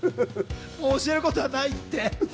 教えることはないって。